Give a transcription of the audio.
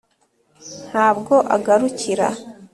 nta bwo agarukira